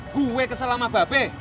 gue kesel sama babe